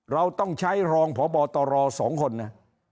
เราต้องใช้รองพบตร๒คนนะ